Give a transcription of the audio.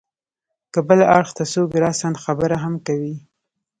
که بل اړخ ته څوک راسا خبره هم کوي.